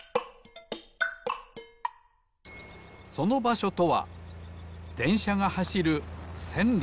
そのばしょとはでんしゃがはしるせんろ。